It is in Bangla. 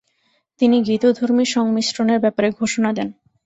তিনি গীতধর্মী সংমিশ্রনের ব্যাপারে ঘোষণা দেন।